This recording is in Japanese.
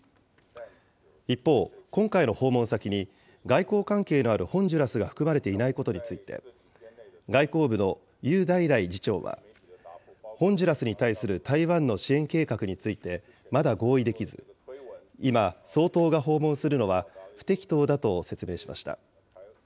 一方、今回の訪問先に外交関係のあるホンジュラスが含まれていないことについて、外交部の兪大らい次長は、ホンジュラスに対する台湾の支援計画についてまだ合意できず、今、総統が訪問するのは不適当だと説明しました。